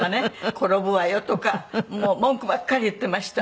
「転ぶわよ」とかもう文句ばっかり言ってました。